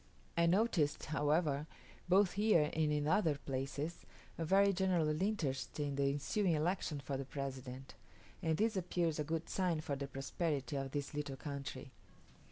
I noticed, however, both here and in other places, a very general interest in the ensuing election for the President; and this appears a good sign for the prosperity of this little country.